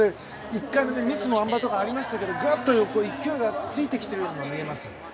１回目のミスあん馬とかありましたがぐっと勢いがついてきているように見えます。